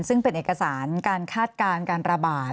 ซึ่งเป็นเอกสารการคาดการณ์การระบาด